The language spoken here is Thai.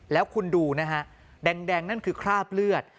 แล้วคุณดูนะฮะแดงนั่นคือคราบเลือด